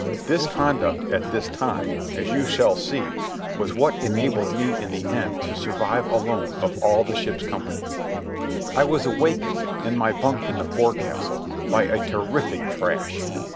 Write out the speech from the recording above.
This conduct at this time, as you shall see, was what enabled me in the end to survive alone of all the ship's company. I was awakened, in my bunk in the forecastle, by a terrific crash.